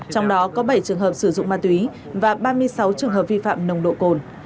trong đó có bảy trường hợp sử dụng ma túy và ba mươi sáu trường hợp vi phạm nồng độ cồn